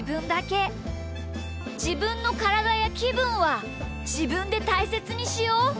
じぶんのからだやきぶんはじぶんでたいせつにしよう！